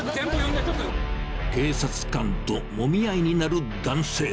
警察官ともみ合いになる男性。